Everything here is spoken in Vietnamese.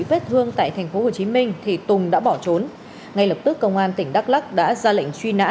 vết thương tại tp hcm thì tùng đã bỏ trốn ngay lập tức công an tỉnh đắk lắc đã ra lệnh truy nã